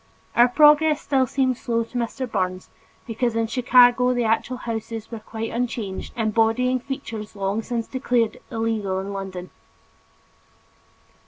Our progress still seemed slow to Mr. Burns because in Chicago, the actual houses were quite unchanged, embodying features long since declared illegal in London.